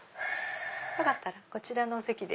よかったらこちらのお席で。